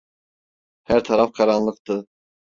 Her taraf karanlıktı…